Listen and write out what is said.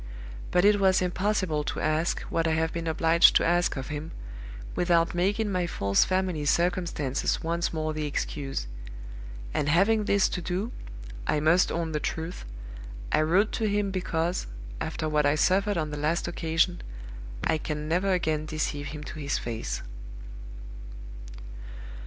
But it was impossible to ask, what I have been obliged to ask of him, without making my false family circumstances once more the excuse; and having this to do I must own the truth I wrote to him because, after what I suffered on the last occasion, I can never again deceive him to his face."